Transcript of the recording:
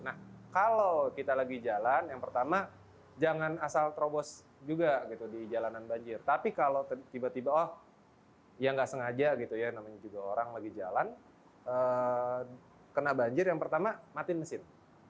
nah kalau kita lagi jalan yang pertama jangan asal terobos juga gitu di jalanan banjir tapi kalau tiba tiba oh ya nggak sengaja gitu ya namanya juga orang lagi jalan kena banjir yang pertama matiin mesin